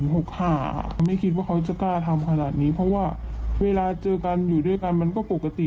ไม่คิดว่าเขาจะกล้าทำขนาดนี้เพราะว่าเวลาเจอกันอยู่ด้วยกันมันก็ปกติ